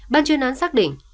bàn truyền án xác định